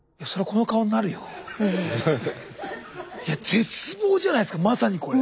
絶望じゃないすかまさにこれ。